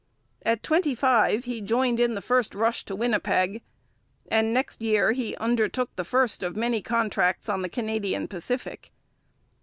At twenty five he joined in the first rush to Winnipeg, and next year he undertook the first of many contracts on the Canadian Pacific.